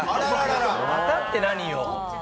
またって、何よ！